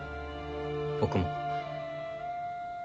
僕も。